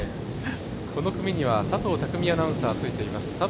この組には佐藤巧アナウンサーがついています。